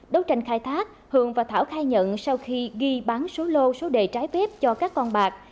đấu tranh khai thác hường và thảo khai nhận sau khi ghi bán số lô số đề trái phép cho các con bạc